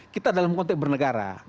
kita dalam konteks bernegara